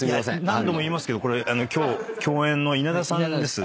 何度も言いますけどこれ今日共演の稲田さんです。